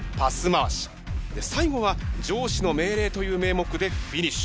最後は上司の命令という名目でフィニッシュ。